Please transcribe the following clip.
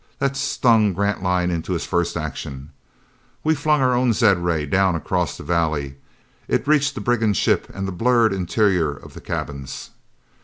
That stung Grantline into his first action. We flung our own zed ray down across the valley. It reached the brigand ship and the blurred interior of the cabins.